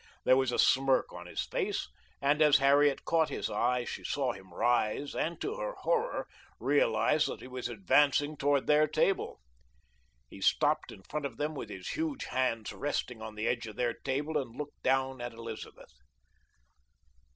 There was a smirk on his face, and as Harriet caught his eye she saw him rise and, to her horror, realized that he was advancing toward their table. He stopped in front of them with his huge hands resting on the edge of their table and looked down at Elizabeth.